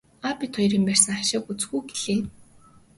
Аав бид хоёрын барьсан хашааг үзэх нь үү гэлээ.